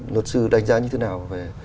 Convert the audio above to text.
luật sư đánh giá như thế nào về